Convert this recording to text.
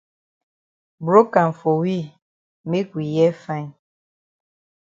Broke am for we make we hear fine.